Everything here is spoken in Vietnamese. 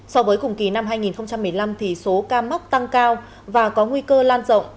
so với cùng kỳ năm hai nghìn một mươi năm số ca mắc tăng cao và có nguy cơ lan rộng